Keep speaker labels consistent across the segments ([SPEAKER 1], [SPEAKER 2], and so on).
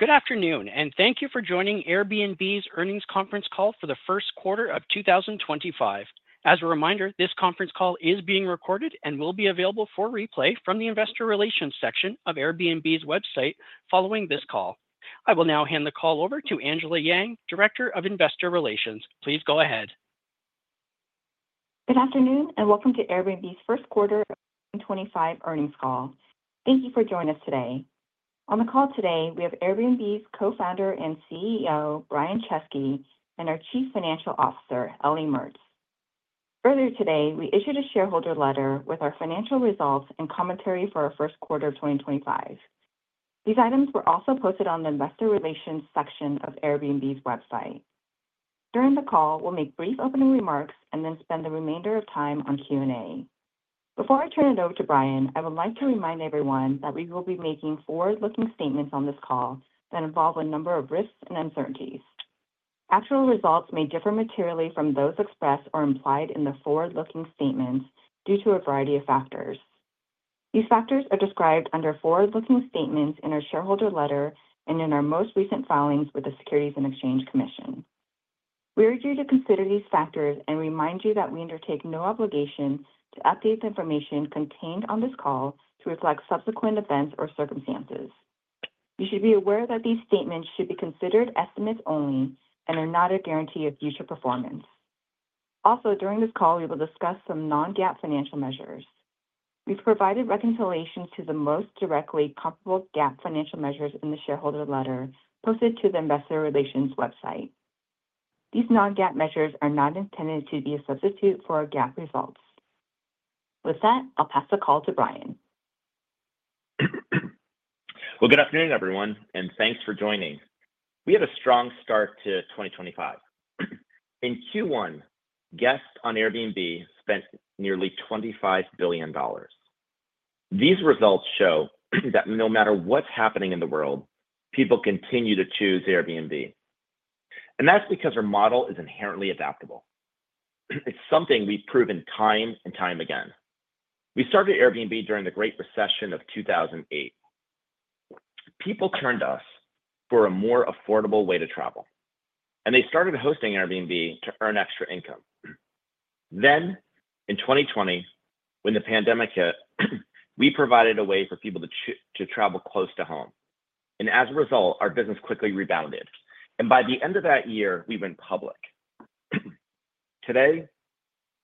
[SPEAKER 1] Good afternoon, and thank you for joining Airbnb's Earnings Conference Call for the Q1 of 2025. As a reminder, this conference call is being recorded and will be available for replay from the Investor Relations section of Airbnb's website following this call. I will now hand the call over to Angela Yang, Director of Investor Relations. Please go ahead.
[SPEAKER 2] Good afternoon and welcome to Airbnb's Q1 of 2025 Earnings Call. Thank you for joining us today. On the call today, we have Airbnb's Co-founder and CEO, Brian Chesky, and our Chief Financial Officer, Ellie Mertz. Earlier today, we issued a shareholder letter with our financial results and commentary for our Q1 of 2025. These items were also posted on the Investor Relations section of Airbnb's website. During the call, we'll make brief opening remarks and then spend the remainder of time on Q&A. Before I turn it over to Brian, I would like to remind everyone that we will be making forward-looking statements on this call that involve a number of risks and uncertainties. Actual results may differ materially from those expressed or implied in the forward-looking statements due to a variety of factors. These factors are described under forward-looking statements in our shareholder letter and in our most recent filings with the Securities and Exchange Commission. We urge you to consider these factors and remind you that we undertake no obligation to update the information contained on this call to reflect subsequent events or circumstances. You should be aware that these statements should be considered estimates only and are not a guarantee of future performance. Also, during this call, we will discuss some non-GAAP financial measures. We've provided reconciliations to the most directly comparable GAAP financial measures in the shareholder letter posted to the Investor Relations website. These non-GAAP measures are not intended to be a substitute for our GAAP results. With that, I'll pass the call to Brian.
[SPEAKER 3] Good afternoon, everyone, and thanks for joining. We had a strong start to 2025. In Q1, guests on Airbnb spent nearly $25 billion. These results show that no matter what's happening in the world, people continue to choose Airbnb. That's because our model is inherently adaptable. It's something we've proven time and time again. We started Airbnb during the Great Recession of 2008. People turned to us for a more affordable way to travel, and they started hosting Airbnb to earn extra income. In 2020, when the pandemic hit, we provided a way for people to travel close to home. As a result, our business quickly rebounded. By the end of that year, we went public. Today,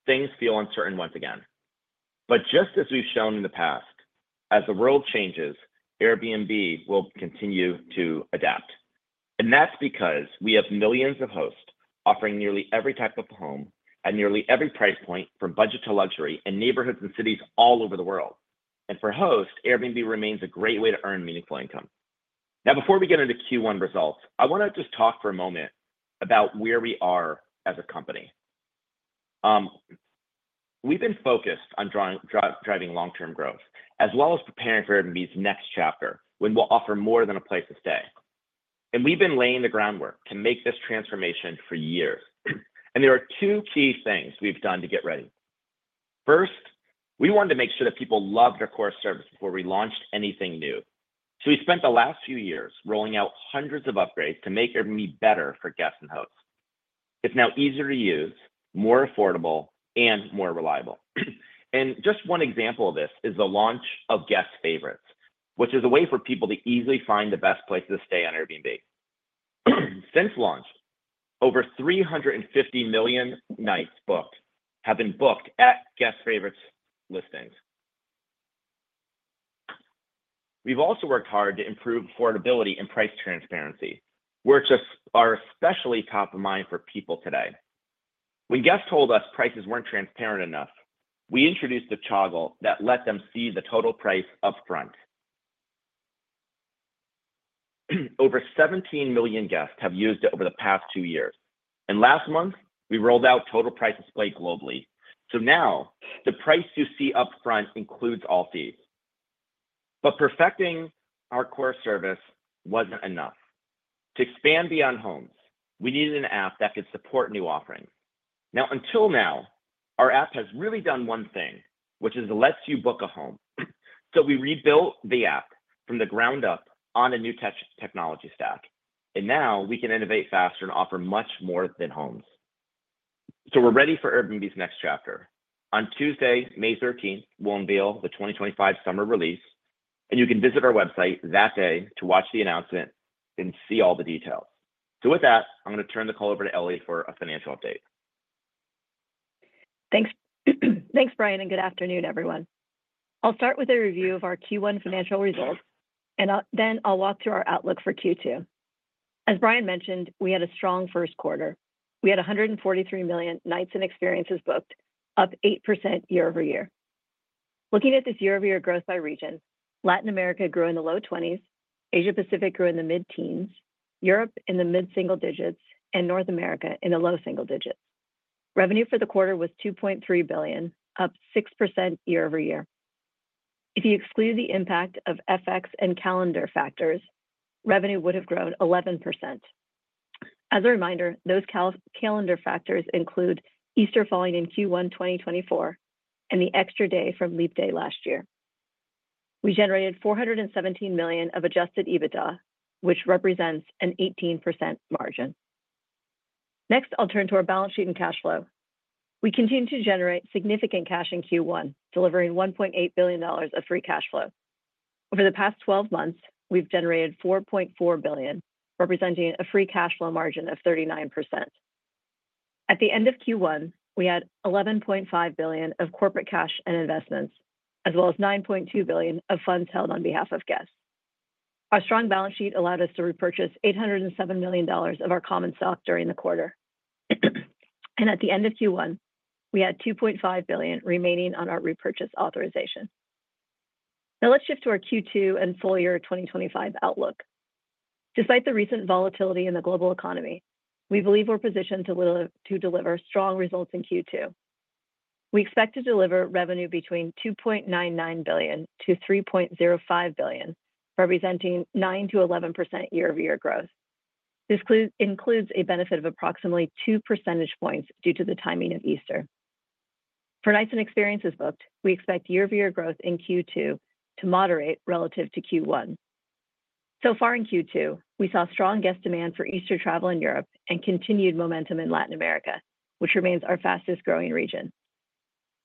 [SPEAKER 3] things feel uncertain once again. Just as we've shown in the past, as the world changes, Airbnb will continue to adapt. That is because we have millions of hosts offering nearly every type of home at nearly every price point from budget to luxury in neighborhoods and cities all over the world. For hosts, Airbnb remains a great way to earn meaningful income. Before we get into Q1 results, I want to just talk for a moment about where we are as a company. We have been focused on driving long-term growth as well as preparing for Airbnb's next chapter when we will offer more than a place to stay. We have been laying the groundwork to make this transformation for years. There are two key things we have done to get ready. First, we wanted to make sure that people loved our core service before we launched anything new. We spent the last few years rolling out hundreds of upgrades to make Airbnb better for guests and hosts. It's now easier to use, more affordable, and more reliable. Just one example of this is the launch of Guest Favorites, which is a way for people to easily find the best place to stay on Airbnb. Since launch, over 350 million nights have been booked at Guest Favorites listings. We've also worked hard to improve affordability and price transparency, which are especially top of mind for people today. When guests told us prices weren't transparent enough, we introduced a toggle that let them see the total price upfront. Over 17 million guests have used it over the past two years. Last month, we rolled out Total Price Display globally. Now the price you see upfront includes all fees. Perfecting our core service wasn't enough. To expand beyond homes, we needed an app that could support new offerings. Now, until now, our app has really done one thing, which is it lets you book a home. We rebuilt the app from the ground up on a new technology stack. Now we can innovate faster and offer much more than homes. We are ready for Airbnb's next chapter. On Tuesday, May 13, we will unveil the 2025 Summer Release. You can visit our website that day to watch the announcement and see all the details. With that, I am going to turn the call over to Ellie for a financial update.
[SPEAKER 4] Thanks. Thanks, Brian, and good afternoon, everyone. I'll start with a review of our Q1 Financial Results, and then I'll walk through our outlook for Q2. As Brian mentioned, we had a strong Q1. We had 143 million nights and experiences booked, up 8% year over year. Looking at this year-over-year growth by region, Latin America grew in the low 20s, Asia-Pacific grew in the mid-teens, Europe in the mid-single digits, and North America in the low single digits. Revenue for the quarter was $2.3 billion, up 6% year over year. If you exclude the impact of FX and calendar factors, revenue would have grown 11%. As a reminder, those calendar factors include Easter falling in Q1 2024 and the extra day from leap day last year. We generated $417 million of adjusted EBITDA, which represents an 18% margin. Next, I'll turn to our balance sheet and cash flow. We continue to generate significant cash in Q1, delivering $1.8 billion of free cash flow. Over the past 12 months, we've generated $4.4 billion, representing a free cash flow margin of 39%. At the end of Q1, we had $11.5 billion of corporate cash and investments, as well as $9.2 billion of funds held on behalf of guests. Our strong balance sheet allowed us to repurchase $807 million of our common stock during the quarter. At the end of Q1, we had $2.5 billion remaining on our repurchase authorization. Now, let's shift to our Q2 and full year 2025 outlook. Despite the recent volatility in the global economy, we believe we're positioned to deliver strong results in Q2. We expect to deliver revenue between $2.99 billion-$3.05 billion, representing 9%-11% year-over-year growth. This includes a benefit of approximately 2 percentage points due to the timing of Easter. For nights and experiences booked, we expect year-over-year growth in Q2 to moderate relative to Q1. So far in Q2, we saw strong guest demand for Easter travel in Europe and continued momentum in Latin America, which remains our fastest-growing region.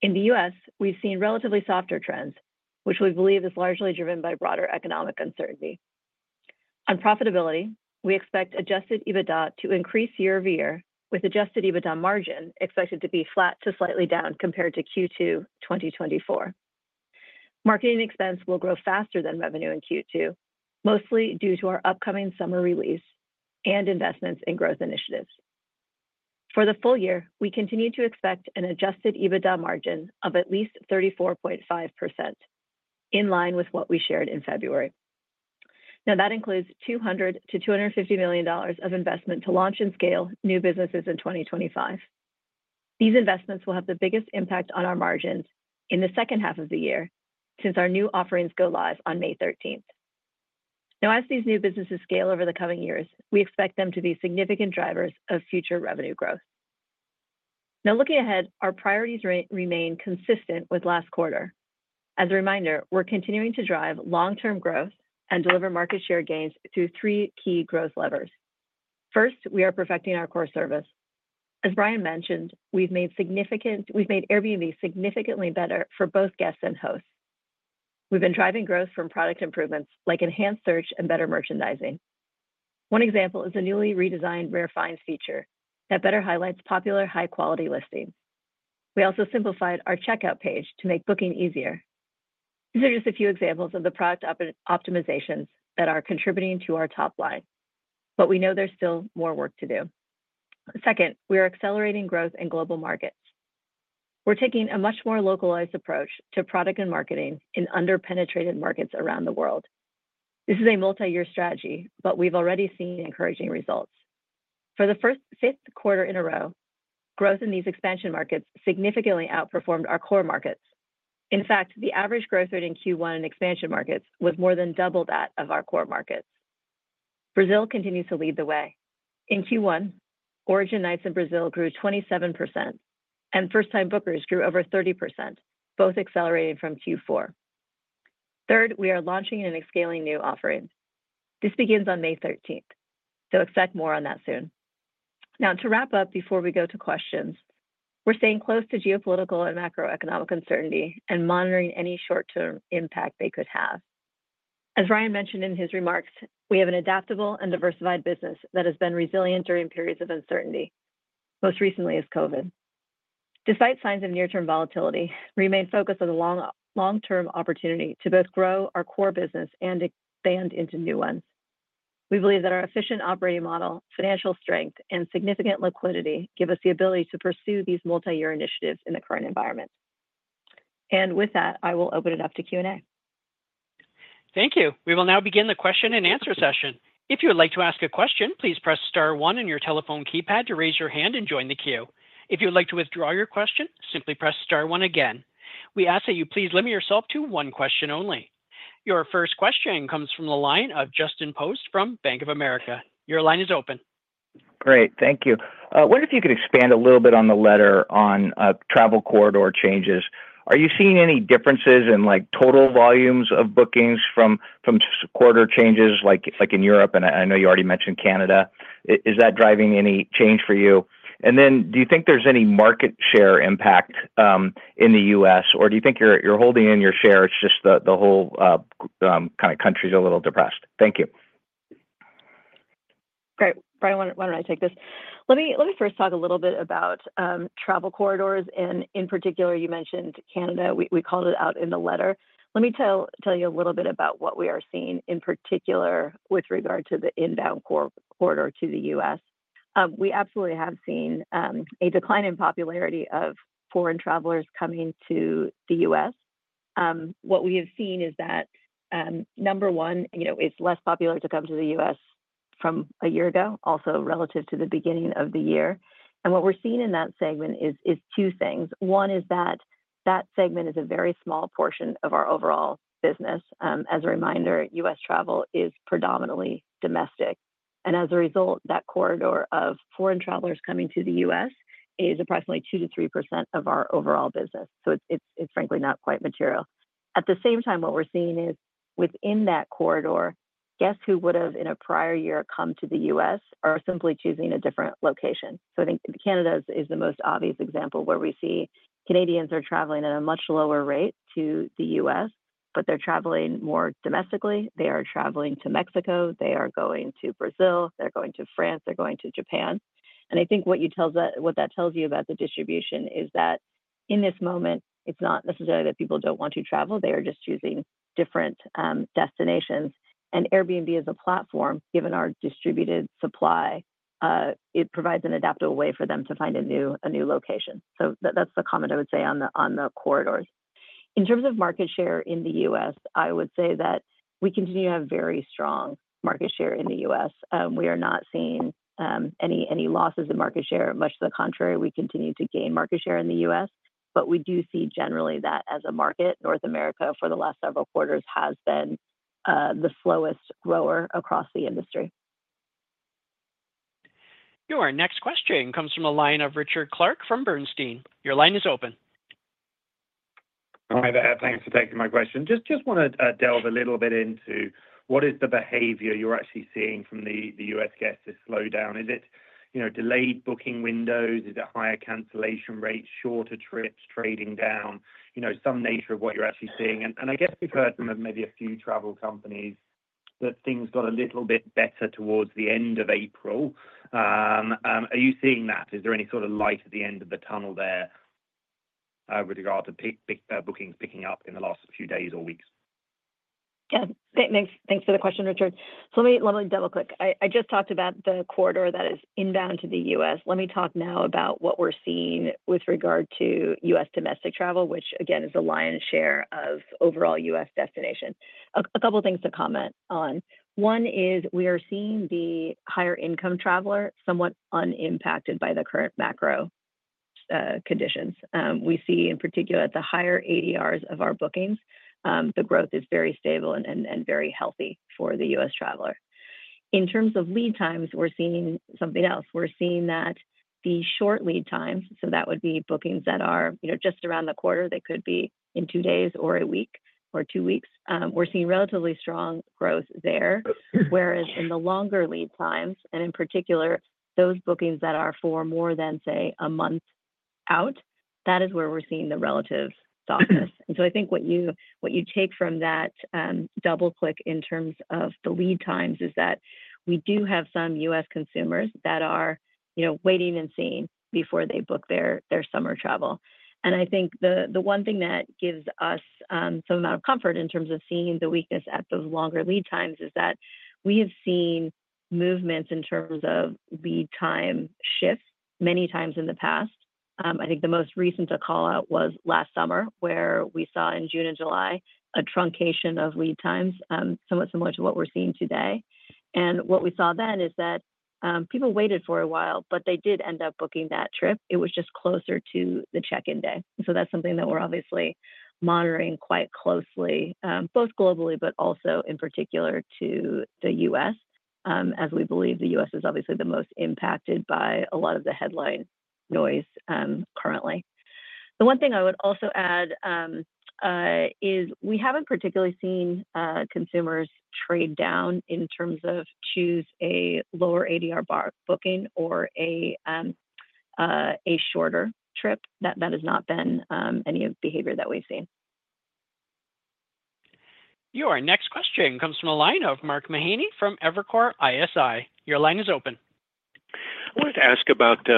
[SPEAKER 4] In the U.S., we've seen relatively softer trends, which we believe is largely driven by broader economic uncertainty. On profitability, we expect adjusted EBITDA to increase year-over-year, with adjusted EBITDA margin expected to be flat to slightly down compared to Q2 2024. Marketing expense will grow faster than revenue in Q2, mostly due to our upcoming Summer Release and investments in growth initiatives. For the full year, we continue to expect an adjusted EBITDA margin of at least 34.5%, in line with what we shared in February. Now, that includes $200-$250 million of investment to launch and scale new businesses in 2025. These investments will have the biggest impact on our margins in the second half of the year since our new offerings go live on May 13. Now, as these new businesses scale over the coming years, we expect them to be significant drivers of future revenue growth. Now, looking ahead, our priorities remain consistent with last quarter. As a reminder, we're continuing to drive long-term growth and deliver market share gains through three key growth levers. First, we are perfecting our core service. As Brian mentioned, we've made Airbnb significantly better for both guests and hosts. We've been driving growth from product improvements like enhanced search and better merchandising. One example is a newly redesigned Rare Finds feature that better highlights popular high-quality listings. We also simplified our checkout page to make booking easier. These are just a few examples of the product optimizations that are contributing to our top line. We know there's still more work to do. Second, we are accelerating growth in global markets. We're taking a much more localized approach to product and marketing in under-penetrated markets around the world. This is a multi-year strategy, but we've already seen encouraging results. For the fifth quarter in a row, growth in these expansion markets significantly outperformed our core markets. In fact, the average growth rate in Q1 in expansion markets was more than double that of our core markets. Brazil continues to lead the way. In Q1, origin nights in Brazil grew 27%, and first-time bookers grew over 30%, both accelerating from Q4. Third, we are launching and scaling new offerings. This begins on May 13. Expect more on that soon. Now, to wrap up before we go to questions, we're staying close to geopolitical and macroeconomic uncertainty and monitoring any short-term impact they could have. As Brian mentioned in his remarks, we have an adaptable and diversified business that has been resilient during periods of uncertainty, most recently as COVID. Despite signs of near-term volatility, we remain focused on the long-term opportunity to both grow our core business and expand into new ones. We believe that our efficient operating model, financial strength, and significant liquidity give us the ability to pursue these multi-year initiatives in the current environment. With that, I will open it up to Q&A.
[SPEAKER 1] Thank you. We will now begin the Q&A session. If you would like to ask a question, please press star one on your telephone keypad to raise your hand and join the queue. If you'd like to withdraw your question, simply press star one again. We ask that you please limit yourself to one question only. Your first question comes from the line of Justin Post from Bank of America. Your line is open.
[SPEAKER 5] Great. Thank you. I wonder if you could expand a little bit on the letter on travel corridor changes. Are you seeing any differences in total volumes of bookings from quarter changes like in Europe? I know you already mentioned Canada. Is that driving any change for you? Do you think there's any market share impact in the U.S., or do you think you're holding in your share? It's just the whole kind of country is a little depressed. Thank you.
[SPEAKER 4] Great. Brian, why don't I take this? Let me first talk a little bit about travel corridors. In particular, you mentioned Canada. We called it out in the letter. Let me tell you a little bit about what we are seeing in particular with regard to the inbound corridor to the U.S. We absolutely have seen a decline in popularity of foreign travelers coming to the U.S. What we have seen is that, number one, it's less popular to come to the U.S. from a year ago, also relative to the beginning of the year. What we're seeing in that segment is two things. One is that that segment is a very small portion of our overall business. As a reminder, U.S. travel is predominantly domestic. As a result, that corridor of foreign travelers coming to the U.S. is approximately 2%-3% of our overall business. It is frankly not quite material. At the same time, what we are seeing is within that corridor, guests who would have in a prior year come to the U.S. are simply choosing a different location. Canada is the most obvious example where we see Canadians are traveling at a much lower rate to the U.S., but they are traveling more domestically. They are traveling to Mexico. They are going to Brazil. They are going to France. They are going to Japan. What that tells you about the distribution is that in this moment, it is not necessarily that people do not want to travel. They are just choosing different destinations. Airbnb, as a platform, given our distributed supply, provides an adaptable way for them to find a new location. That is the comment I would say on the corridors. In terms of market share in the U.S., I would say that we continue to have very strong market share in the U.S. We are not seeing any losses in market share. Much to the contrary, we continue to gain market share in the U.S. We do see generally that as a market, North America for the last several quarters has been the slowest grower across the industry.
[SPEAKER 1] Your next question comes from a line of Richard Clarke from Bernstein. Your line is open.
[SPEAKER 6] Hi, there. Thanks for taking my question. Just want to delve a little bit into what is the behavior you're actually seeing from the U.S. guests' slowdown? Is it delayed booking windows? Is it higher cancellation rates, shorter trips, trading down, some nature of what you're actually seeing? I guess we've heard from maybe a few travel companies that things got a little bit better towards the end of April. Are you seeing that? Is there any sort of light at the end of the tunnel there with regard to bookings picking up in the last few days or weeks?
[SPEAKER 4] Thanks for the question, Richard. Let me double-click. I just talked about the corridor that is inbound to the U.S. Let me talk now about what we're seeing with regard to U.S. domestic travel, which, again, is the lion's share of overall U.S. destinations. A couple of things to comment on. One is we are seeing the higher-income traveler somewhat unimpacted by the current macro conditions. We see, in particular, at the higher ADRs of our bookings, the growth is very stable and very healthy for the U.S. traveler. In terms of lead times, we're seeing something else. We're seeing that the short lead times, so that would be bookings that are just around the quarter. They could be in two days or a week or two weeks. We're seeing relatively strong growth there, whereas in the longer lead times, and in particular, those bookings that are for more than, say, a month out, that is where we're seeing the relative softness. What you take from that double-click in terms of the lead times is that we do have some U.S. consumers that are waiting and seeing before they book their summer travel. The one thing that gives us some amount of comfort in terms of seeing the weakness at those longer lead times is that we have seen movements in terms of lead time shifts many times in the past. The most recent to call out was last summer, where we saw in June and July a truncation of lead times, somewhat similar to what we're seeing today. What we saw then is that people waited for a while, but they did end up booking that trip. It was just closer to the check-in day. That is something that we're obviously monitoring quite closely, both globally, but also in particular to the U.S., as we believe the U.S. is obviously the most impacted by a lot of the headline noise currently. The one thing I would also add is we haven't particularly seen consumers trade down in terms of choose a lower ADR booking or a shorter trip. That has not been any of the behavior that we've seen.
[SPEAKER 1] Your next question comes from a line of Mark Mahaney from Evercore ISI. Your line is open.
[SPEAKER 7] I wanted to ask about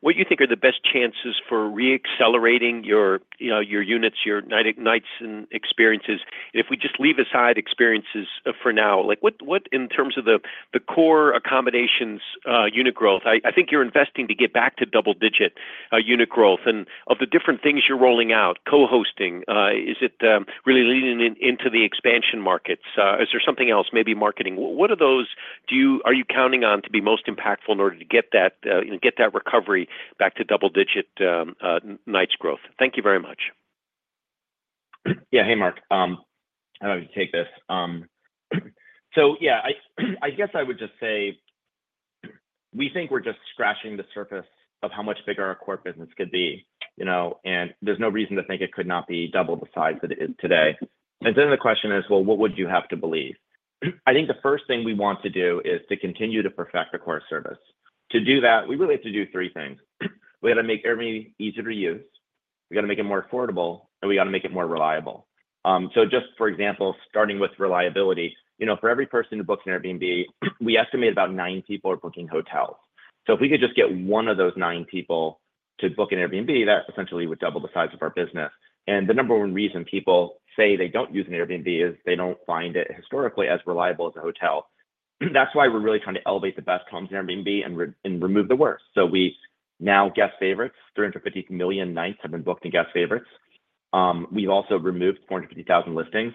[SPEAKER 7] what you think are the best chances for re-accelerating your units, your nights, and experiences. If we just leave aside experiences for now, what in terms of the core accommodations unit growth? You're investing to get back to double-digit unit growth. Of the different things you're rolling out, co-hosting, is it really leading into the expansion markets? Is there something else, maybe marketing? What are those? Are you counting on to be most impactful in order to get that recovery back to double-digit nights growth? Thank you very much.
[SPEAKER 3] Yeah. Hey, Mark. I don't know if you can take this. I guess I would just say we think we're just scratching the surface of how much bigger our core business could be. There's no reason to think it could not be double the size that it is today. The question is, what would you have to believe? The first thing we want to do is to continue to perfect the core service. To do that, we really have to do three things. We got to make Airbnb easier to use. We got to make it more affordable, and we got to make it more reliable. Just, for example, starting with reliability, for every person who books an Airbnb, we estimate about nine people are booking hotels. If we could just get one of those nine people to book an Airbnb, that essentially would double the size of our business. The number one reason people say they do not use an Airbnb is they do not find it historically as reliable as a hotel. That is why we are really trying to elevate the best homes in Airbnb and remove the worst. Now Guest Favorites, 350 million nights have been booked in Guest Favorites. we have also removed 450,000 listings.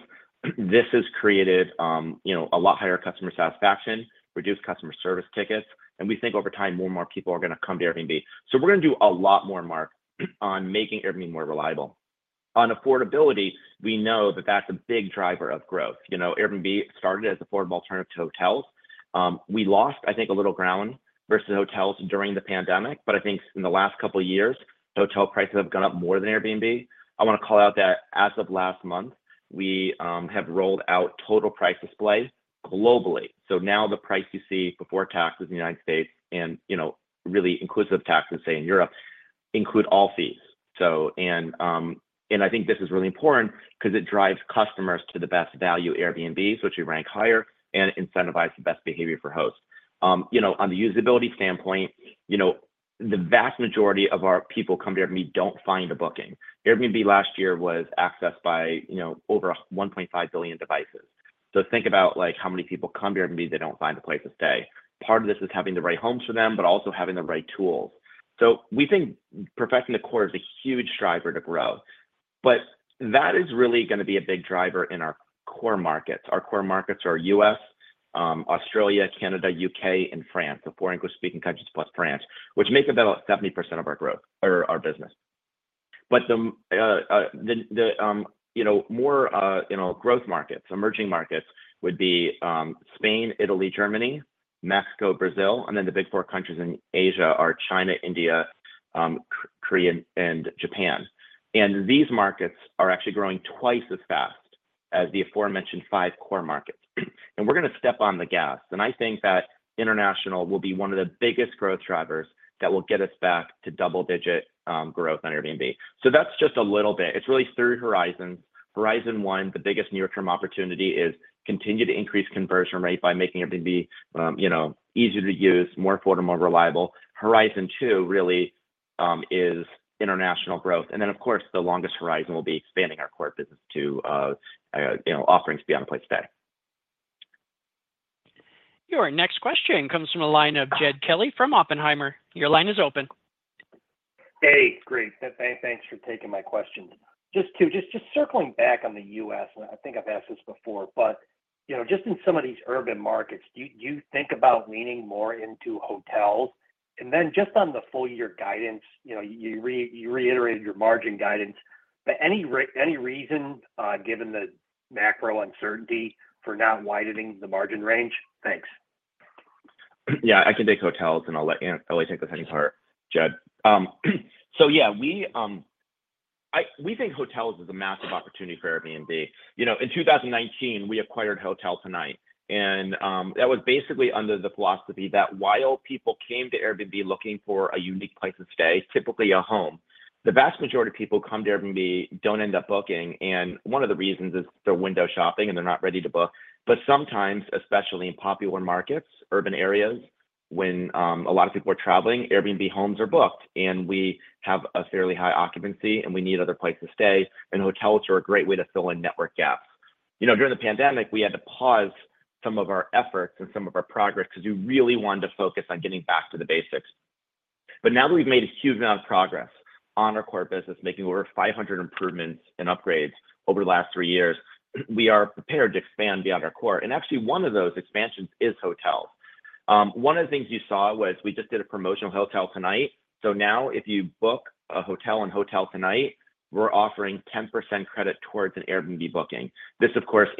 [SPEAKER 3] This has created a lot higher customer satisfaction, reduced customer service tickets. We think over time, more and more people are going to come to Airbnb. We are going to do a lot more, Mark, on making Airbnb more reliable. On affordability, we know that is a big driver of growth. Airbnb started as an affordable alternative to hotels. We lost, I think, a little ground versus hotels during the pandemic. In the last couple of years, hotel prices have gone up more than Airbnb. I want to call out that as of last month, we have rolled out Total Price Display globally. Now the price you see before taxes in the United States and really inclusive taxes, say, in Europe, include all fees. This is really important because it drives customers to the best value Airbnbs, which we rank higher, and incentivize the best behavior for hosts. On the usability standpoint, the vast majority of our people come to Airbnb don't find a booking. Airbnb last year was accessed by over 1.5 billion devices. Think about how many people come to Airbnb that don't find a place to stay. Part of this is having the right homes for them, but also having the right tools. We think perfecting the core is a huge driver to grow. That is really going to be a big driver in our core markets. Our core markets are U.S., Australia, Canada, U.K., and France, the four English-speaking countries plus France, which make up about 70% of our growth or our business. The more growth markets, emerging markets would be Spain, Italy, Germany, Mexico, Brazil, and then the big four countries in Asia are China, India, Korea, and Japan. These markets are actually growing twice as fast as the aforementioned five core markets. We're going to step on the gas. That international will be one of the biggest growth drivers that will get us back to double-digit growth on Airbnb. That's just a little bit. It's really three horizons. Horizon one, the biggest near-term opportunity is continue to increase conversion rate by making Airbnb easier to use, more affordable, more reliable. Horizon two really is international growth. Of course, the longest horizon will be expanding our core business to offerings beyond a place to stay.
[SPEAKER 1] Your next question comes from a line of Jed Kelly from Oppenheimer. Your line is open.
[SPEAKER 8] Hey, great. Thanks for taking my question. Just circling back on the U.S., and I've asked this before, but just in some of these urban markets, do you think about leaning more into hotels? Then just on the full-year guidance, you reiterated your margin guidance. Any reason, given the macro uncertainty, for not widening the margin range? Thanks.
[SPEAKER 3] Yeah. I can take hotels, and I'll let you take the second part, Jed. Yeah, we think hotels is a massive opportunity for Airbnb. In 2019, we acquired HotelTonight. That was basically under the philosophy that while people came to Airbnb looking for a unique place to stay, typically a home, the vast majority of people come to Airbnb, don't end up booking. One of the reasons is they're window shopping, and they're not ready to book. Sometimes, especially in popular markets, urban areas, when a lot of people are traveling, Airbnb homes are booked. We have a fairly high occupancy, and we need other places to stay. Hotels are a great way to fill in network gaps. During the pandemic, we had to pause some of our efforts and some of our progress because we really wanted to focus on getting back to the basics. Now that we've made a huge amount of progress on our core business, making over 500 improvements and upgrades over the last three years, we are prepared to expand beyond our core. Actually, one of those expansions is hotels. One of the things you saw was we just did a promotional HotelTonight. Now if you book a hotel on HotelTonight, we're offering 10% credit towards an Airbnb booking. This, of course,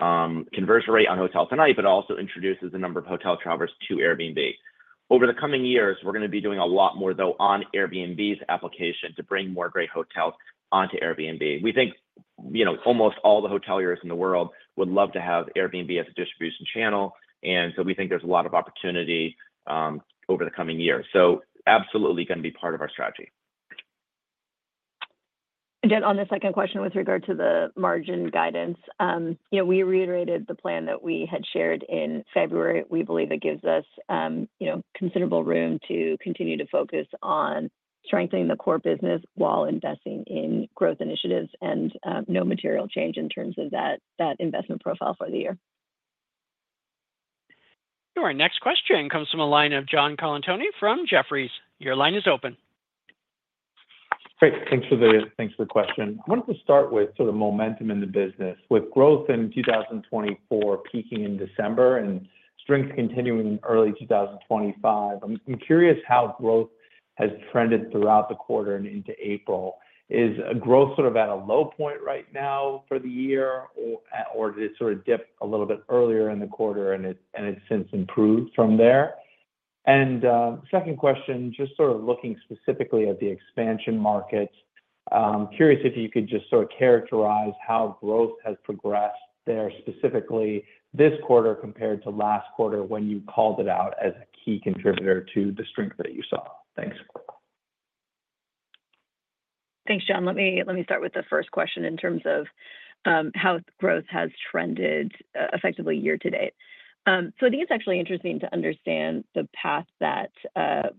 [SPEAKER 3] increases conversion rate on HotelTonight, but also introduces a number of hotel travelers to Airbnb. Over the coming years, we're going to be doing a lot more on Airbnb's application to bring more great hotels onto Airbnb. We think almost all the hoteliers in the world would love to have Airbnb as a distribution channel. We think there's a lot of opportunity over the coming years. Absolutely going to be part of our strategy.
[SPEAKER 4] Jed, on the second question with regard to the margin guidance, we reiterated the plan that we had shared in February. We believe it gives us considerable room to continue to focus on strengthening the core business while investing in growth initiatives and no material change in terms of that investment profile for the year.
[SPEAKER 1] Your next question comes from a line of John Colantuoni from Jefferies. Your line is open.
[SPEAKER 9] Great. Thanks for the question. I wanted to start with sort of momentum in the business, with growth in 2024 peaking in December and strength continuing in early 2025. I'm curious how growth has trended throughout the quarter and into April. Is growth sort of at a low point right now for the year, or did it sort of dip a little bit earlier in the quarter, and it's since improved from there? Second question, just sort of looking specifically at the expansion markets, curious if you could just sort of characterize how growth has progressed there specifically this quarter compared to last quarter when you called it out as a key contributor to the strength that you saw. Thanks.
[SPEAKER 3] Thanks, John. Let me start with the first question in terms of how growth has trended effectively year to date. It's actually interesting to understand the path that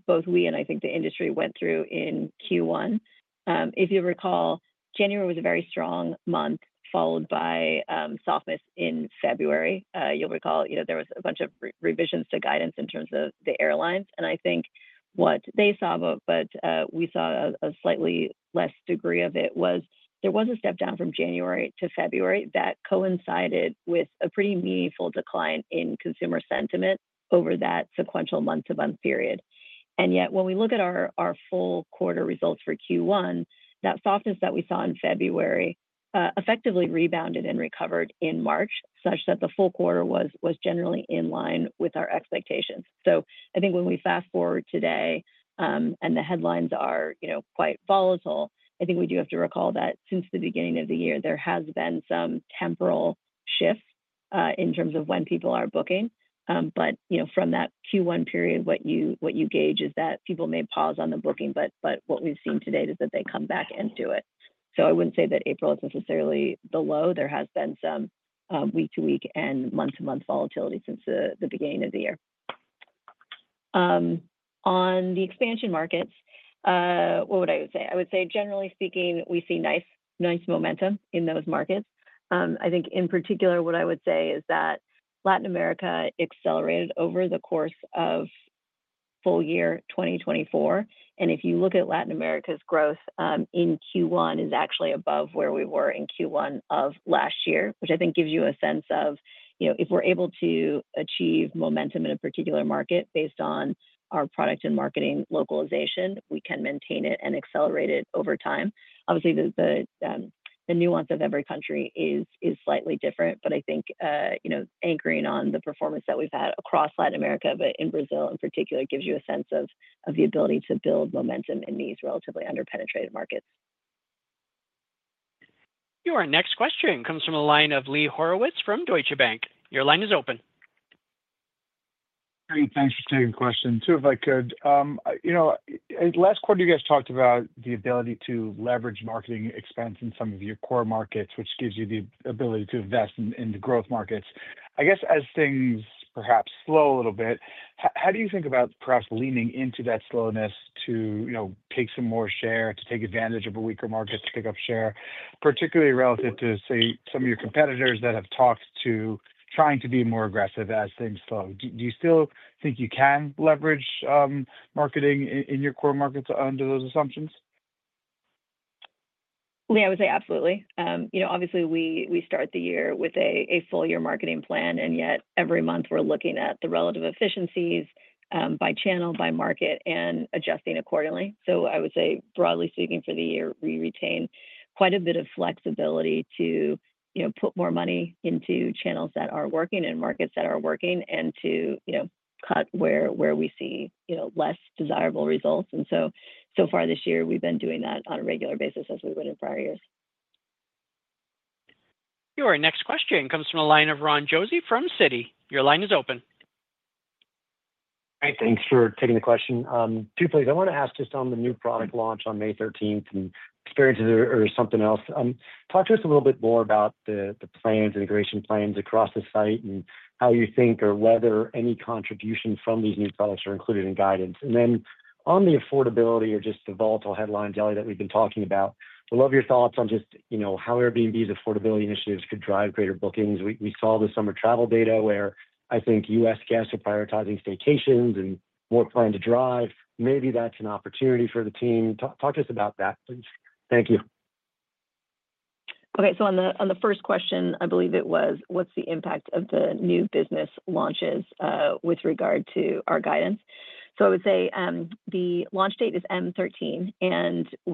[SPEAKER 3] both we and the industry went through in Q1. If you recall, January was a very strong month followed by softness in February. You'll recall there was a bunch of revisions to guidance in terms of the airlines. What they saw, but we saw a slightly less degree of it, was there was a step down from January to February that coincided with a pretty meaningful decline in consumer sentiment over that sequential month-to-month period. Yet, when we look at our full quarter results for Q1, that softness that we saw in February effectively rebounded and recovered in March such that the full quarter was generally in line with our expectations. When we fast forward today and the headlines are quite volatile, We do have to recall that since the beginning of the year, there has been some temporal shift in terms of when people are booking. From that Q1 period, what you gauge is that people may pause on the booking, but what we've seen to date is that they come back into it. I wouldn't say that April is necessarily the low. There has been some week-to-week and month-to-month volatility since the beginning of the year. On the expansion markets, what would I say? I would say, generally speaking, we see nice momentum in those markets. In particular, what I would say is that Latin America accelerated over the course of full year 2024. If you look at Latin America's growth in Q1, it is actually above where we were in Q1 of last year, which gives you a sense of if we're able to achieve momentum in a particular market based on our product and marketing localization, we can maintain it and accelerate it over time. Obviously, the nuance of every country is slightly different. Anchoring on the performance that we've had across Latin America, but in Brazil in particular, gives you a sense of the ability to build momentum in these relatively under-penetrated markets.
[SPEAKER 1] Your next question comes from a line of Lee Horowitz from Deutsche Bank. Your line is open.
[SPEAKER 10] Thanks for taking the question. Two if I could. Last quarter, you guys talked about the ability to leverage marketing expense in some of your core markets, which gives you the ability to invest in the growth markets. I guess as things perhaps slow a little bit, how do you think about perhaps leaning into that slowness to take some more share, to take advantage of a weaker market to pick up share, particularly relative to, say, some of your competitors that have talked to trying to be more aggressive as things slow? Do you still think you can leverage marketing in your core markets under those assumptions?
[SPEAKER 4] Lee, I would say absolutely. Obviously, we start the year with a full-year marketing plan. Yet, every month, we're looking at the relative efficiencies by channel, by market, and adjusting accordingly. I would say, broadly speaking, for the year, we retain quite a bit of flexibility to put more money into channels that are working and markets that are working and to cut where we see less desirable results. So far this year, we've been doing that on a regular basis as we would in prior years.
[SPEAKER 1] Your next question comes from a line of Ron Josey from Citi. Your line is open.
[SPEAKER 11] Hi. Thanks for taking the question. Two please. I want to ask just on the new product launch on May 13 and experiences or something else. Talk to us a little bit more about the plans, integration plans across the site, and how you think or whether any contribution from these new products are included in guidance. On the affordability or just the volatile headlines that we've been talking about, I'd love your thoughts on just how Airbnb's affordability initiatives could drive greater bookings. We saw the summer travel data where U.S. guests are prioritizing staycations and more plan to drive. Maybe that's an opportunity for the team. Talk to us about that, please. Thank you.
[SPEAKER 4] Okay. On the first question, I believe it was, what's the impact of the new business launches with regard to our guidance? I would say the launch date is May 13. We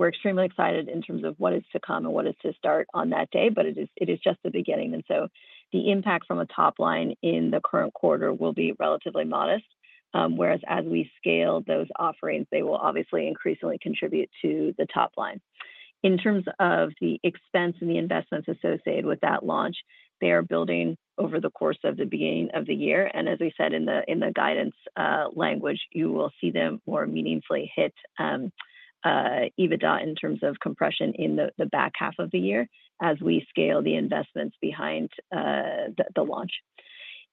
[SPEAKER 4] are extremely excited in terms of what is to come and what is to start on that day. It is just the beginning. The impact from a top line in the current quarter will be relatively modest. As we scale those offerings, they will obviously increasingly contribute to the top line. In terms of the expense and the investments associated with that launch, they are building over the course of the beginning of the year. As we said in the guidance language, you will see them more meaningfully hit EBITDA in terms of compression in the back half of the year as we scale the investments behind the launch.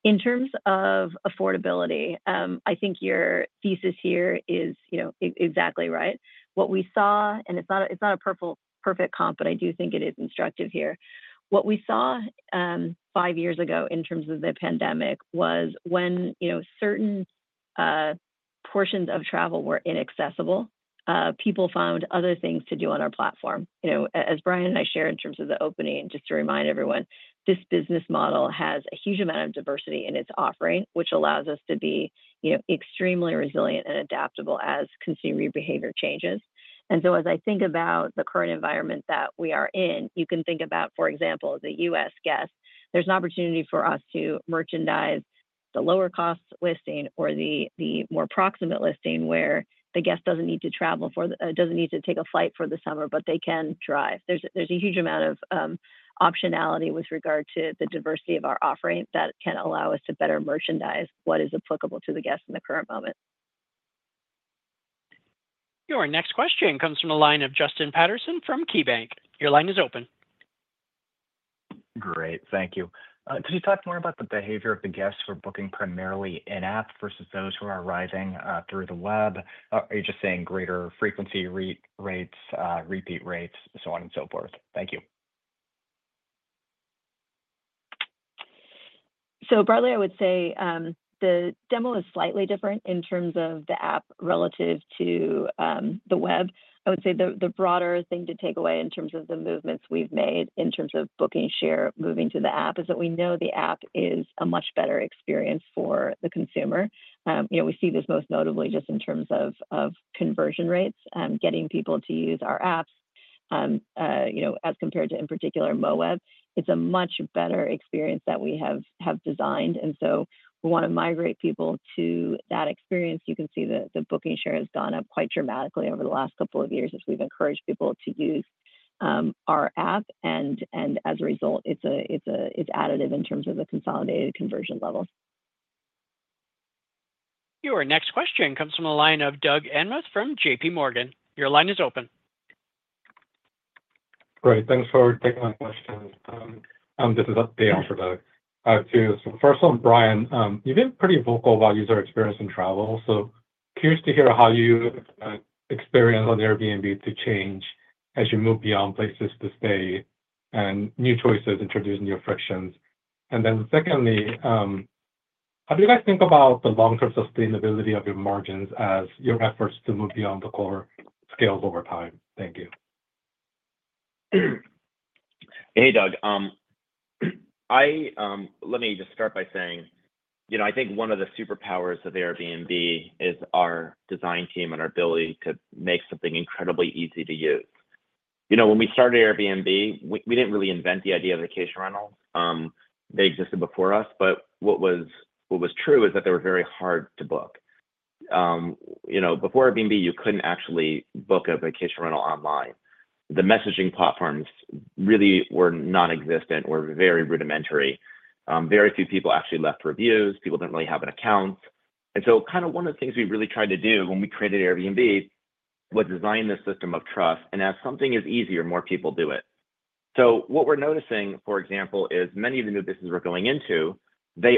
[SPEAKER 4] In terms of affordability, Your thesis here is exactly right. What we saw, and it's not a perfect comp, but I do think it is instructive here. What we saw five years ago in terms of the pandemic was when certain portions of travel were inaccessible, people found other things to do on our platform. As Brian and I shared in terms of the opening, just to remind everyone, this business model has a huge amount of diversity in its offering, which allows us to be extremely resilient and adaptable as consumer behavior changes. As about the current environment that we are in, you can think about, for example, the U.S. guest. There's an opportunity for us to merchandise the lower-cost listing or the more proximate listing where the guest doesn't need to travel for it, doesn't need to take a flight for the summer, but they can drive. There's a huge amount of optionality with regard to the diversity of our offering that can allow us to better merchandise what is applicable to the guest in the current moment.
[SPEAKER 1] Your next question comes from a line of Justin Patterson from KeyBanc. Your line is open.
[SPEAKER 12] Great. Thank you. Could you talk more about the behavior of the guests who are booking primarily in-app versus those who are arriving through the web? Are you just saying greater frequency rates, repeat rates, so on and so forth? Thank you.
[SPEAKER 4] Broadly, I would say the demo is slightly different in terms of the app relative to the web. I would say the broader thing to take away in terms of the movements we've made in terms of booking share moving to the app is that we know the app is a much better experience for the consumer. We see this most notably just in terms of conversion rates, getting people to use our apps as compared to, in particular, web. It's a much better experience that we have designed. We want to migrate people to that experience. You can see that the booking share has gone up quite dramatically over the last couple of years as we've encouraged people to use our app. As a result, it's additive in terms of the consolidated conversion levels.
[SPEAKER 1] Your next question comes from a line of Douglas Anmuth from JPMorgan. Your line is open. Great. Thanks for taking my question. This is Dale for Doug. First of all, Brian, you've been pretty vocal about user experience and travel. Curious to hear how you experience on Airbnb to change as you move beyond places to stay and new choices introduce new frictions. Secondly, how do you guys think about the long-term sustainability of your margins as your efforts to move beyond the core scales over time? Thank you.
[SPEAKER 3] Hey, Dale. Let me just start by saying one of the superpowers of Airbnb is our design team and our ability to make something incredibly easy to use. When we started Airbnb, we didn't really invent the idea of vacation rentals. They existed before us. What was true is that they were very hard to book. Before Airbnb, you couldn't actually book a vacation rental online. The messaging platforms really were nonexistent or very rudimentary. Very few people actually left reviews. People didn't really have an account. One of the things we really tried to do when we created Airbnb was design the system of trust. As something is easier, more people do it. What we're noticing, for example, is many of the new businesses we're going into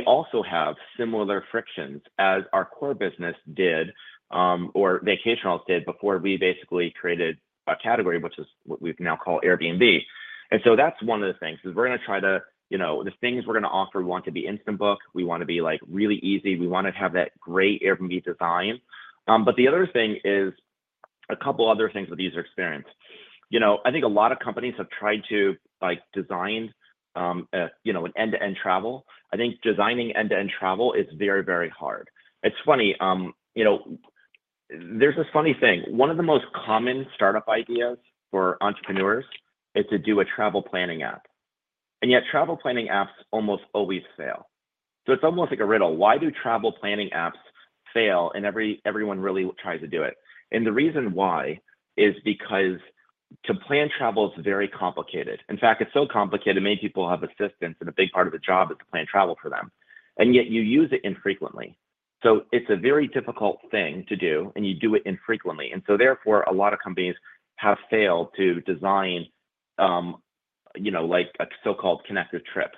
[SPEAKER 3] also have similar frictions as our core business did or vacation rentals did before we basically created a category, which is what we now call Airbnb. That's one of the things—we're going to try to, the things we're going to offer, want to be instant book. We want to be really easy. We want to have that great Airbnb design. The other thing is a couple of other things with user experience. A lot of companies have tried to design an end-to-end travel. Designing end-to-end travel is very, very hard. It's funny. There's this funny thing. One of the most common startup ideas for entrepreneurs is to do a travel planning app. Yet, travel planning apps almost always fail. It's almost like a riddle. Why do travel planning apps fail? Everyone really tries to do it. The reason why is because to plan travel is very complicated. In fact, it's so complicated, many people have assistance, and a big part of the job is to plan travel for them. Yet, you use it infrequently. It's a very difficult thing to do, and you do it infrequently. Therefore, a lot of companies have failed to design a so-called connected trip.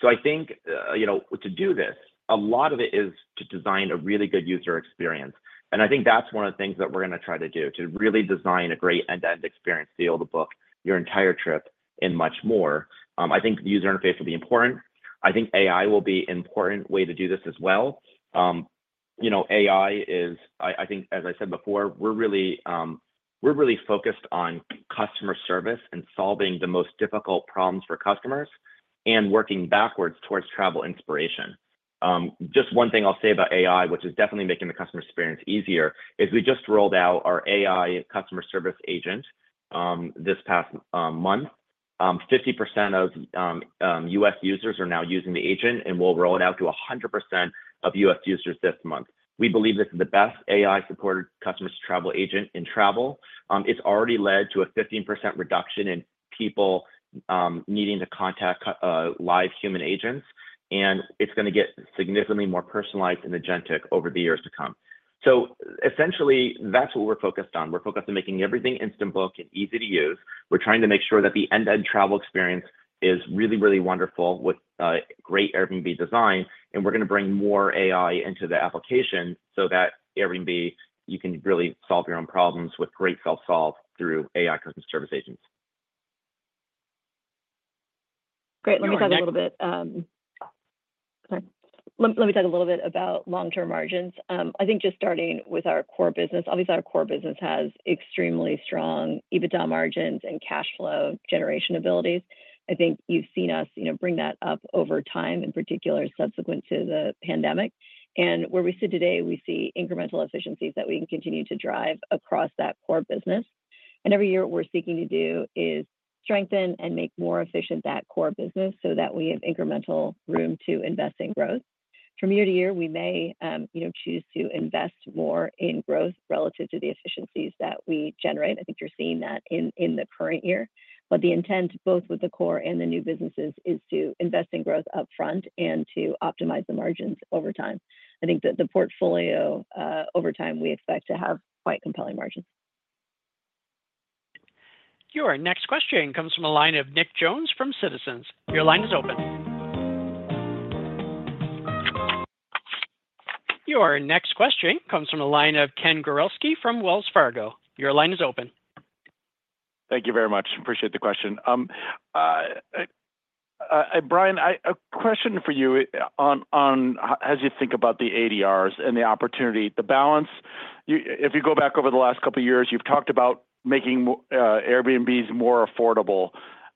[SPEAKER 3] To do this, a lot of it is to design a really good user experience. That's one of the things that we're going to try to do, to really design a great end-to-end experience, be able to book your entire trip and much more. The user interface will be important. AI will be an important way to do this as well. AI is, I think, as I said before, we're really focused on customer service and solving the most difficult problems for customers and working backwards towards travel inspiration. Just one thing I'll say about AI, which is definitely making the customer experience easier, is we just rolled out our AI customer service agent this past month. 50% of US users are now using the agent, and we'll roll it out to 100% of US users this month. We believe this is the best AI-supported customer travel agent in travel. It's already led to a 15% reduction in people needing to contact live human agents. It is going to get significantly more personalized and agentic over the years to come. Essentially, that's what we're focused on. We're focused on making everything instant book and easy to use. We're trying to make sure that the end-to-end travel experience is really, really wonderful with great Airbnb design. We're going to bring more AI into the application so that Airbnb, you can really solve your own problems with great self-solve through AI customer service agents.
[SPEAKER 4] Great. Let me talk a little bit about long-term margins. Just starting with our core business, obviously, our core business has extremely strong EBITDA margins and cash flow generation abilities. You've seen us bring that up over time, in particular, subsequent to the pandemic. Where we sit today, we see incremental efficiencies that we can continue to drive across that core business. Every year, what we're seeking to do is strengthen and make more efficient that core business so that we have incremental room to invest in growth. From year to year, we may choose to invest more in growth relative to the efficiencies that we generate. You're seeing that in the current year. The intent, both with the core and the new businesses, is to invest in growth upfront and to optimize the margins over time. That the portfolio over time, we expect to have quite compelling margins.
[SPEAKER 1] Your next question comes from a line of Nicholas Jones from Citizens. Your line is open. Your next question comes from a line of Ken Gawrelski from Wells Fargo. Your line is open.
[SPEAKER 13] Thank you very much. Appreciate the question. Brian, a question for you on how you think about the ADRs and the opportunity, the balance. If you go back over the last couple of years, you've talked about making Airbnbs more affordable.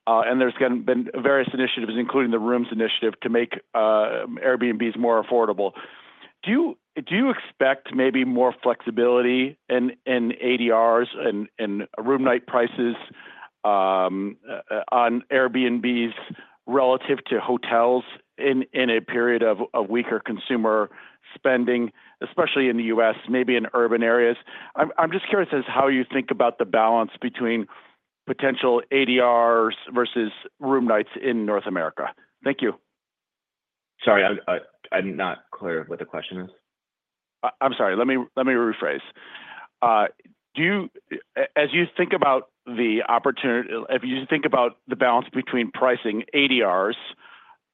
[SPEAKER 13] And there's been various initiatives, including the Rooms initiative, to make Airbnbs more affordable. Do you expect maybe more flexibility in ADRs and room night prices on Airbnbs relative to hotels in a period of weaker consumer spending, especially in the U.S., maybe in urban areas? I'm just curious as to how you think about the balance between potential ADRs versus room nights in North America. Thank you.
[SPEAKER 3] Sorry. I'm not clear what the question is.
[SPEAKER 13] I'm sorry. Let me rephrase. As you think about the opportunity, if you think about the balance between pricing ADRs,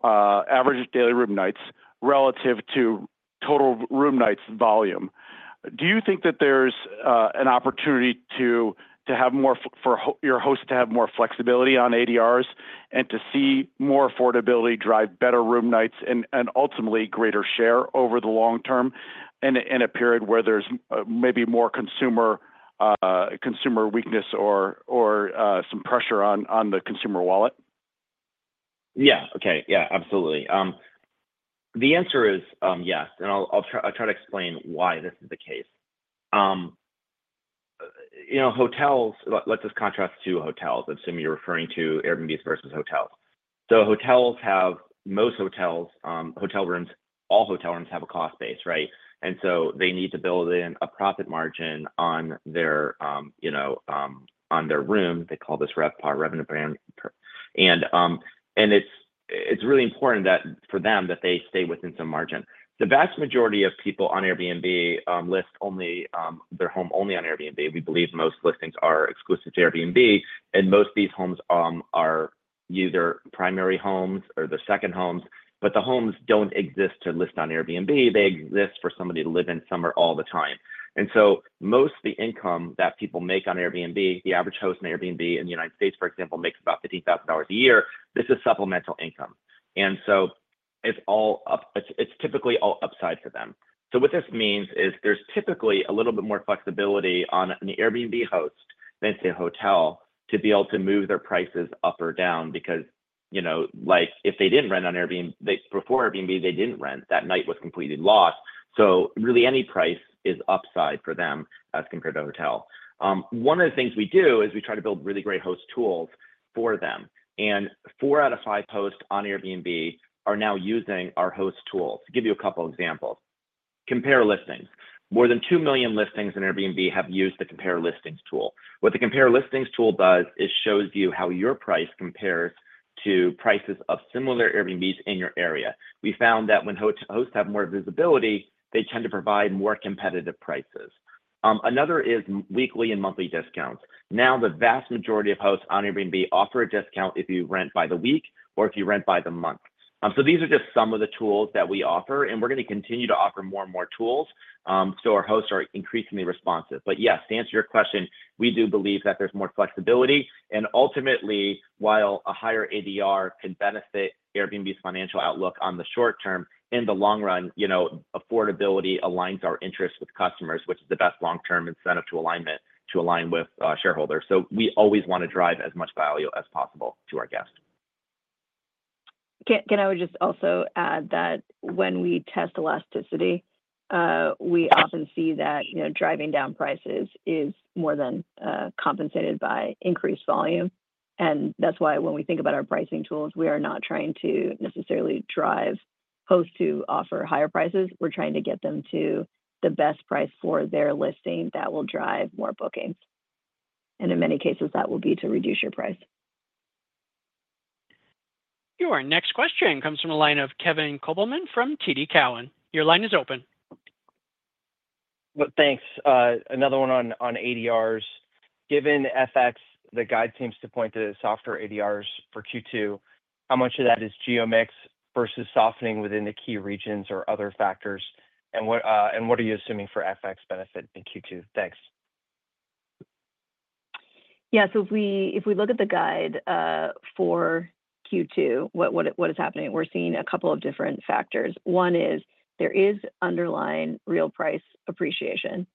[SPEAKER 13] average daily room nights relative to total room nights volume, do you think that there's an opportunity to have more for your hosts to have more flexibility on ADRs and to see more affordability drive better room nights and ultimately greater share over the long term in a period where there's maybe more consumer weakness or some pressure on the consumer wallet?
[SPEAKER 3] Yeah. Okay. Yeah, absolutely. The answer is yes. I'll try to explain why this is the case. Hotels, let's just contrast two hotels. Assume you're referring to Airbnbs versus hotels. Hotels have, most hotels, hotel rooms, all hotel rooms have a cost base, right? They need to build in a profit margin on their room. They call this RevPAR, Revenue Per Available Room. It's really important for them that they stay within some margin. The vast majority of people on Airbnb list their home only on Airbnb. We believe most listings are exclusive to Airbnb. Most of these homes are either primary homes or they're second homes. The homes don't exist to list on Airbnb. They exist for somebody to live in somewhere all the time. Most of the income that people make on Airbnb, the average host on Airbnb in the United States, for example, makes about $50,000 a year. This is supplemental income. It is typically all upside for them. What this means is there is typically a little bit more flexibility on an Airbnb host than to a hotel to be able to move their prices up or down because if they did not rent on Airbnb before Airbnb, they did not rent. That night was completely lost. Really, any price is upside for them as compared to a hotel. One of the things we do is we try to build really great host tools for them. Four out of five hosts on Airbnb are now using our host tools. Give you a couple of examples. Compare listings. More than 2 million listings on Airbnb have used the Compare Listings tool. What the Compare Listings tool does is shows you how your price compares to prices of similar Airbnbs in your area. We found that when hosts have more visibility, they tend to provide more competitive prices. Another is weekly and monthly discounts. Now, the vast majority of hosts on Airbnb offer a discount if you rent by the week or if you rent by the month. These are just some of the tools that we offer. We're going to continue to offer more and more tools so our hosts are increasingly responsive. Yes, to answer your question, we do believe that there's more flexibility. Ultimately, while a higher ADR can benefit Airbnb's financial outlook in the short term, in the long run, affordability aligns our interests with customers, which is the best long-term incentive to align with shareholders. We always want to drive as much value as possible to our guests.
[SPEAKER 4] Can I just also add that when we test elasticity, we often see that driving down prices is more than compensated by increased volume. That is why when we think about our pricing tools, we are not trying to necessarily drive hosts to offer higher prices. We are trying to get them to the best price for their listing that will drive more bookings. In many cases, that will be to reduce your price.
[SPEAKER 1] Your next question comes from a line of Kevin Kopelman from TD Cowen. Your line is open.
[SPEAKER 14] Thanks. Another one on ADRs. Given FX, the guide seems to point to the softer ADRs for Q2. How much of that is geo mix versus softening within the key regions or other factors? What are you assuming for FX benefit in Q2? Thanks.
[SPEAKER 4] Yeah. If we look at the guide for Q2, what is happening, we're seeing a couple of different factors. One is there is underlying real price appreciation,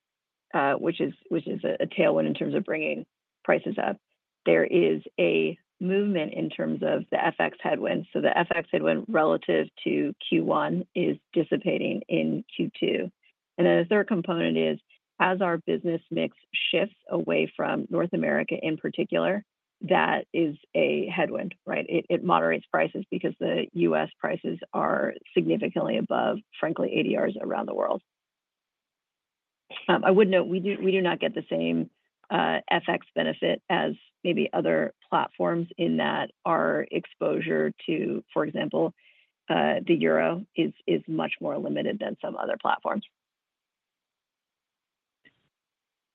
[SPEAKER 4] which is a tailwind in terms of bringing prices up. There is a movement in terms of the FX headwind. The FX headwind relative to Q1 is dissipating in Q2. The third component is, as our business mix shifts away from North America in particular, that is a headwind, right? It moderates prices because the U.S. prices are significantly above, frankly, ADRs around the world. I would note we do not get the same FX benefit as maybe other platforms in that our exposure to, for example, the euro is much more limited than some other platforms.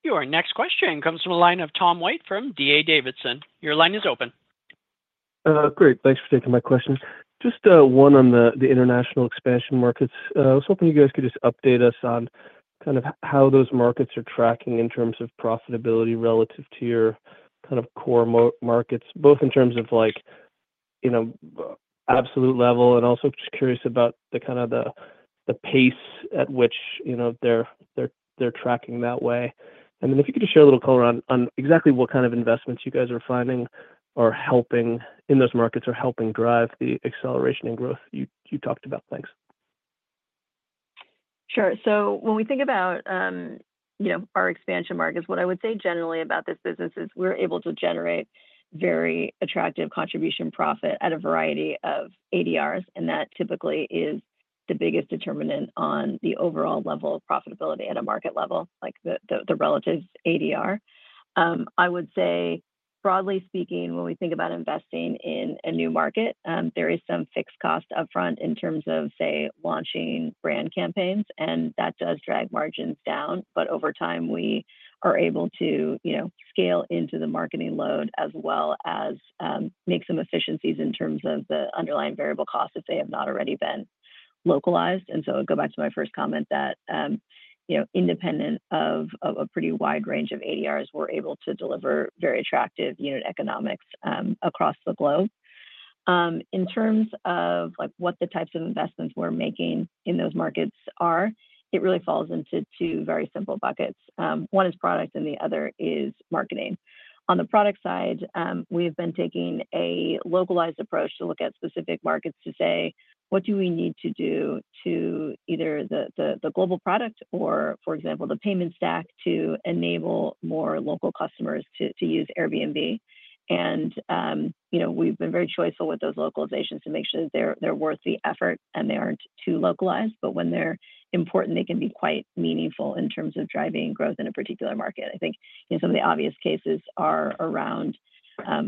[SPEAKER 1] Your next question comes from a line of Tom White from D.A. Davidson. Your line is open.
[SPEAKER 15] Great. Thanks for taking my question. Just one on the international expansion markets. I was hoping you guys could just update us on kind of how those markets are tracking in terms of profitability relative to your kind of core markets, both in terms of absolute level and also just curious about the kind of the pace at which they're tracking that way. If you could just share a little color on exactly what kind of investments you guys are finding or helping in those markets or helping drive the acceleration and growth you talked about. Thanks.
[SPEAKER 4] Sure. When we think about our expansion markets, what I would say generally about this business is we're able to generate very attractive contribution profit at a variety of ADRs. That typically is the biggest determinant on the overall level of profitability at a market level, like the relative ADR. I would say, broadly speaking, when we think about investing in a new market, there is some fixed cost upfront in terms of, say, launching brand campaigns. That does drag margins down. Over time, we are able to scale into the marketing load as well as make some efficiencies in terms of the underlying variable costs if they have not already been localized. I'll go back to my first comment that independent of a pretty wide range of ADRs, we're able to deliver very attractive unit economics across the globe. In terms of what the types of investments we're making in those markets are, it really falls into two very simple buckets. One is product, and the other is marketing. On the product side, we have been taking a localized approach to look at specific markets to say, what do we need to do to either the global product or, for example, the payment stack to enable more local customers to use Airbnb? We've been very choiceful with those localizations to make sure that they're worth the effort and they aren't too localized. When they're important, they can be quite meaningful in terms of driving growth in a particular market. Some of the obvious cases are around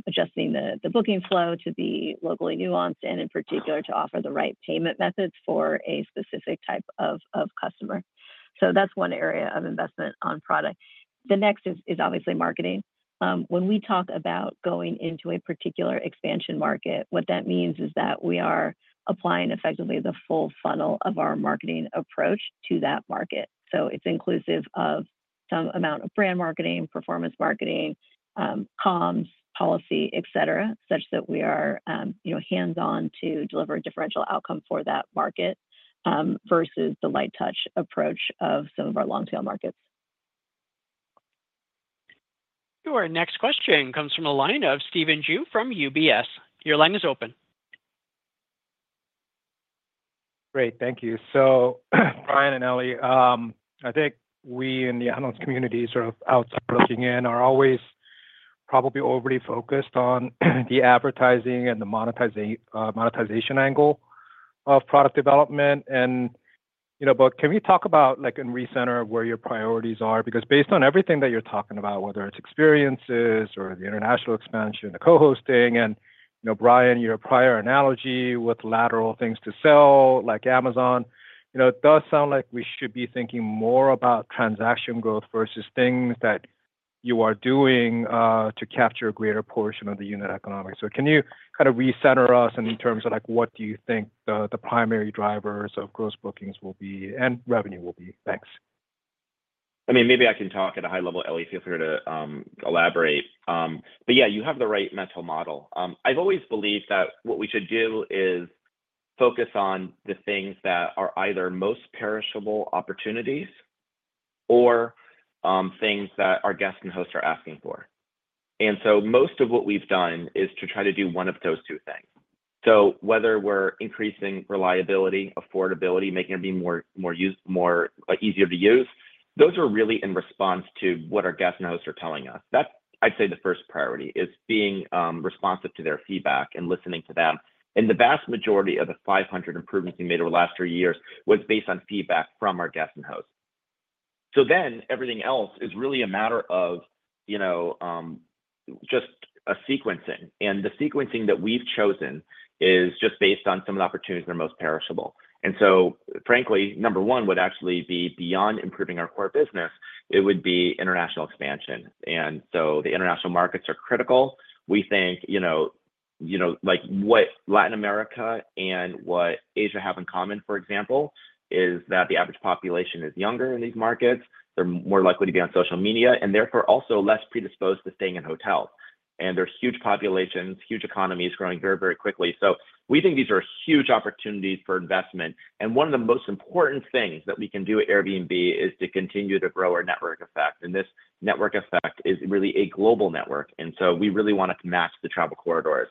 [SPEAKER 4] adjusting the booking flow to be locally nuanced and, in particular, to offer the right payment methods for a specific type of customer. That's one area of investment on product. The next is obviously marketing. When we talk about going into a particular expansion market, what that means is that we are applying effectively the full funnel of our marketing approach to that market. It is inclusive of some amount of brand marketing, performance marketing, comms, policy, etc., such that we are hands-on to deliver a differential outcome for that market versus the light touch approach of some of our long-tail markets.
[SPEAKER 1] Your next question comes from a line of Stephen Ju from UBS. Your line is open.
[SPEAKER 16] Great. Thank you. Brian and Ellie, we in the analyst community sort of outside looking in are always probably overly focused on the advertising and the monetization angle of product development. Can we talk about in recenter where your priorities are? Because based on everything that you're talking about, whether it's experiences or the international expansion, the co-hosting, and Brian, your prior analogy with lateral things to sell like Amazon, it does sound like we should be thinking more about transaction growth versus things that you are doing to capture a greater portion of the unit economics. Can you kind of recenter us in terms of what do you think the primary drivers of gross bookings will be and revenue will be? Thanks.
[SPEAKER 3] Maybe I can talk at a high level. Ellie, feel free to elaborate. Yeah, you have the right mental model. I've always believed that what we should do is focus on the things that are either most perishable opportunities or things that our guests and hosts are asking for. Most of what we've done is to try to do one of those two things. Whether we're increasing reliability, affordability, making it be more easier to use, those are really in response to what our guests and hosts are telling us. That's, I'd say, the first priority is being responsive to their feedback and listening to them. The vast majority of the 500 improvements we made over the last three years was based on feedback from our guests and hosts. Everything else is really a matter of just sequencing. The sequencing that we've chosen is just based on some of the opportunities that are most perishable. Frankly, number one would actually be beyond improving our core business. It would be international expansion. The international markets are critical. We think what Latin America and what Asia have in common, for example, is that the average population is younger in these markets. They're more likely to be on social media and therefore also less predisposed to staying in hotels. There are huge populations, huge economies growing very, very quickly. We think these are huge opportunities for investment. One of the most important things that we can do at Airbnb is to continue to grow our network effect. This network effect is really a global network. We really want it to match the travel corridors.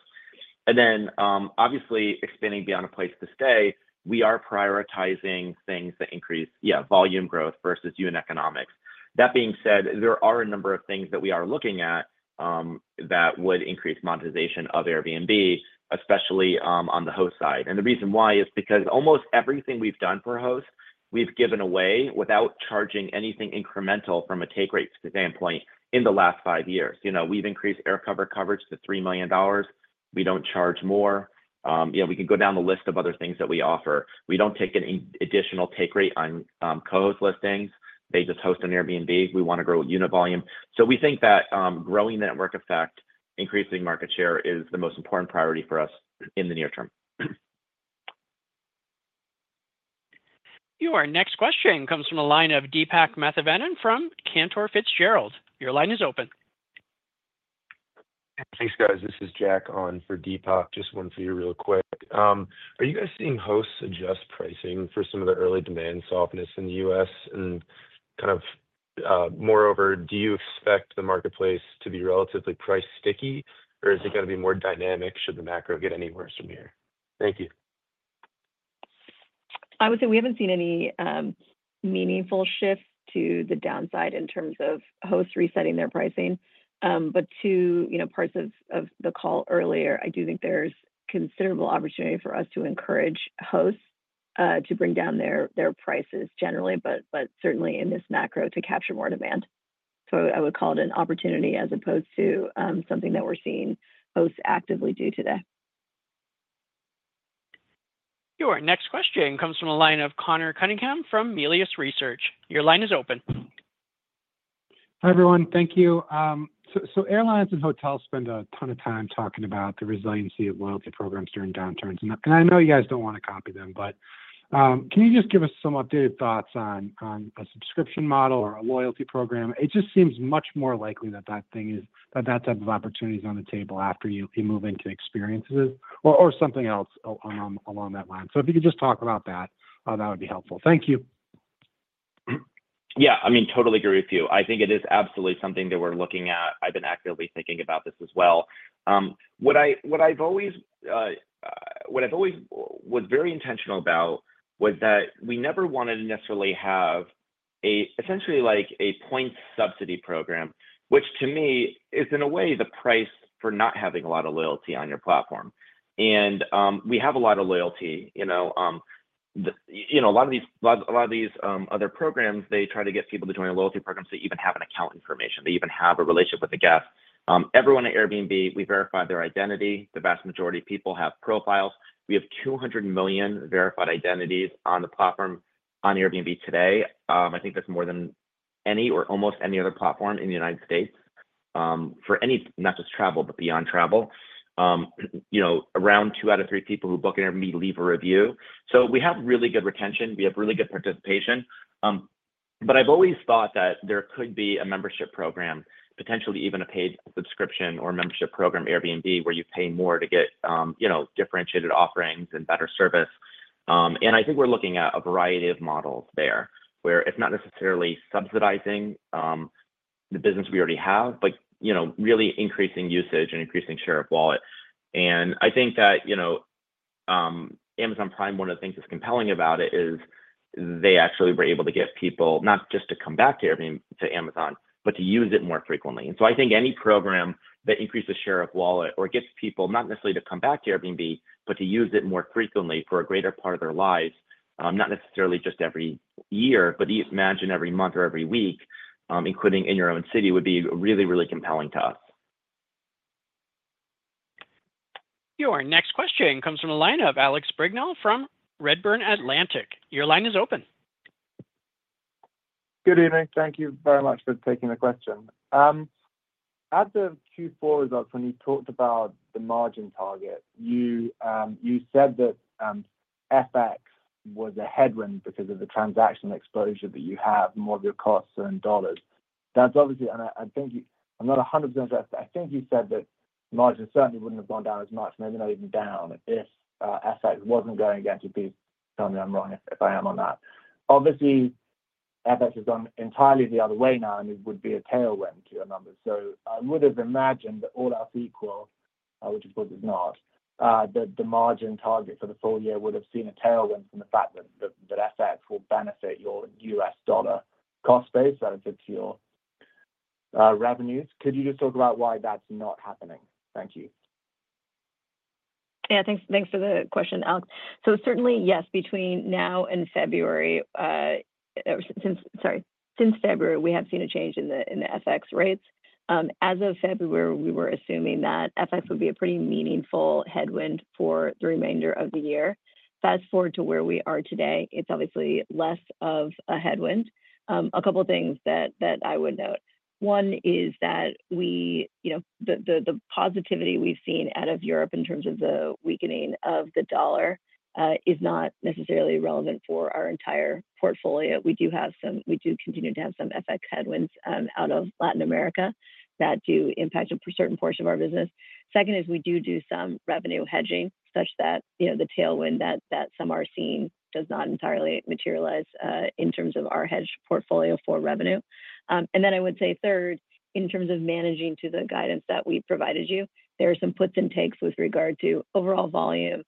[SPEAKER 3] Obviously, expanding beyond a place to stay, we are prioritizing things that increase, yeah, volume growth versus unit economics. That being said, there are a number of things that we are looking at that would increase monetization of Airbnb, especially on the host side. The reason why is because almost everything we've done for hosts, we've given away without charging anything incremental from a take rate standpoint in the last five years. We've increased AirCover coverage to $3 million. We do not charge more. We can go down the list of other things that we offer. We do not take any additional take rate on co-host listings. They just host on Airbnb. We want to grow unit volume. We think that growing network effect, increasing market share is the most important priority for us in the near term.
[SPEAKER 1] Your next question comes from a line of Deepak Mathivanan from Cantor Fitzgerald. Your line is open. Thanks, guys. This is Jack on for Deepak. Just one for you real quick. Are you guys seeing hosts adjust pricing for some of the early demand softness in the U.S.? And kind of moreover, do you expect the marketplace to be relatively price sticky, or is it going to be more dynamic should the macro get any worse from here? Thank you.
[SPEAKER 4] I would say we haven't seen any meaningful shift to the downside in terms of hosts resetting their pricing. To parts of the call earlier, I do think there's considerable opportunity for us to encourage hosts to bring down their prices generally, but certainly in this macro to capture more demand. I would call it an opportunity as opposed to something that we're seeing hosts actively do today.
[SPEAKER 1] Your next question comes from a line of Conor Cunningham from Melius Research. Your line is open.
[SPEAKER 17] Hi, everyone. Thank you. Airlines and hotels spend a ton of time talking about the resiliency of loyalty programs during downturns. I know you guys don't want to copy them, but can you just give us some updated thoughts on a subscription model or a loyalty program? It just seems much more likely that that type of opportunity is on the table after you move into experiences or something else along that line. If you could just talk about that, that would be helpful. Thank you.
[SPEAKER 3] Yeah. Totally agree with you. It is absolutely something that we're looking at. I've been actively thinking about this as well. What I've always was very intentional about was that we never wanted to necessarily have essentially a point subsidy program, which to me is, in a way, the price for not having a lot of loyalty on your platform. And we have a lot of loyalty. A lot of these other programs, they try to get people to join loyalty programs that even have an account information. They even have a relationship with the guest. Everyone at Airbnb, we verify their identity. The vast majority of people have profiles. We have 200 million verified identities on the platform on Airbnb today. That's more than any or almost any other platform in the United States for any, not just travel, but beyond travel. Around two out of three people who book an Airbnb leave a review. We have really good retention. We have really good participation. I have always thought that there could be a membership program, potentially even a paid subscription or membership program at Airbnb where you pay more to get differentiated offerings and better service. We are looking at a variety of models there where it is not necessarily subsidizing the business we already have, but really increasing usage and increasing share of wallet. That Amazon Prime, one of the things that is compelling about it is they actually were able to get people not just to come back to Amazon, but to use it more frequently. Any program that increases share of wallet or gets people not necessarily to come back to Airbnb, but to use it more frequently for a greater part of their lives, not necessarily just every year, but imagine every month or every week, including in your own city, would be really, really compelling to us.
[SPEAKER 1] Your next question comes from a line of Alex Brignall from Redburn Atlantic. Your line is open.
[SPEAKER 18] Good evening. Thank you very much for taking the question. Out of Q4 results, when you talked about the margin target, you said that FX was a headwind because of the transactional exposure that you have and more of your costs are in dollars. I'm not 100% sure. You said that margin certainly wouldn't have gone down as much, maybe not even down, if FX wasn't going against your piece. Tell me if I'm wrong if I am on that. Obviously, FX has gone entirely the other way now, and it would be a tailwind to your numbers. I would have imagined that all else equal, which of course is not, that the margin target for the full year would have seen a tailwind from the fact that FX will benefit your US dollar cost base relative to your revenues. Could you just talk about why that's not happening? Thank you.
[SPEAKER 4] Yeah. Thanks for the question, Alex. Certainly, yes, between now and February, sorry, since February, we have seen a change in the FX rates. As of February, we were assuming that FX would be a pretty meaningful headwind for the remainder of the year. Fast forward to where we are today, it's obviously less of a headwind. A couple of things that I would note. One is that the positivity we've seen out of Europe in terms of the weakening of the dollar is not necessarily relevant for our entire portfolio. We do continue to have some FX headwinds out of Latin America that do impact a certain portion of our business. Second is we do do some revenue hedging such that the tailwind that some are seeing does not entirely materialize in terms of our hedge portfolio for revenue. I would say third, in terms of managing to the guidance that we provided you, there are some puts and takes with regard to overall volume,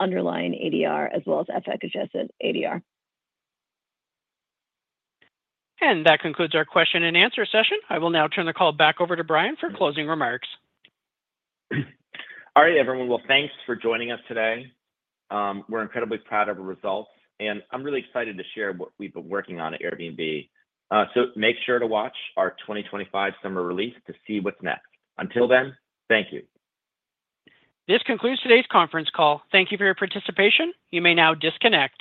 [SPEAKER 4] underlying ADR, as well as FX-adjusted ADR.
[SPEAKER 1] That concludes our Q&A session. I will now turn the call back over to Brian for closing remarks.
[SPEAKER 3] All right, everyone. Thanks for joining us today. We're incredibly proud of our results. I'm really excited to share what we've been working on at Airbnb. Make sure to watch our 2025 Summer Release to see what's next. Until then, thank you.
[SPEAKER 1] This concludes today's conference call. Thank you for your participation. You may now disconnect.